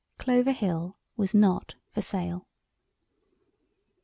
Clover Hill was not for sale.